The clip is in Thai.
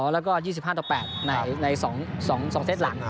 ๒๕๑๒แล้วก็๒๕๘ใน๒เซตหลัง